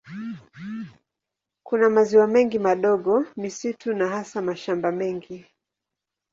Kuna maziwa mengi madogo, misitu na hasa mashamba mengi.